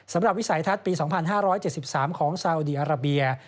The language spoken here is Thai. สำหรับวิสัยทัศน์ปี๒๕๗๓ของสาวุดีอาราเบียร์